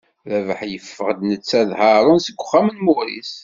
Rabaḥ yeffeɣ-d netta d Haṛun seg uxxam n Muris.